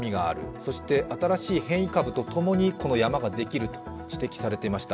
そして新しい変異株とともにこの山ができると指摘されていました。